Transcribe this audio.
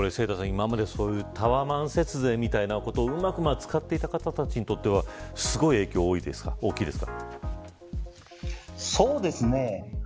今までタワマン節税みたいなことをうまく使っていた方たちにとってはそうですね。